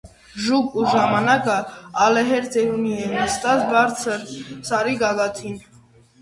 Ժուկ ու ժամանակը ալեհեր ծերունի է՝ նստած բարձր սարի գագաթին։